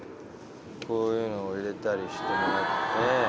こういうのを入れたりしてもらって。